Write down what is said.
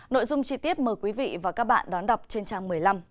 nội dung chi tiết mời quý vị và các bạn đón đọc trên trang một mươi năm